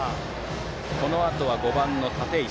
このあとは５番の立石。